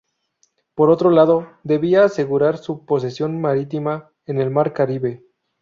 Por otro lado, debía asegurar su posesión marítima en el mar Caribe.